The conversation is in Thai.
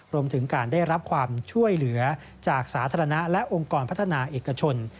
รวมถึงการได้รับความช่วยเหลือจากสาธารณะและองค์กรพัฒนาเอกชน